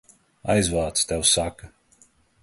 Aizvāc, tev saka!